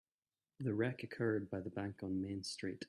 The wreck occurred by the bank on Main Street.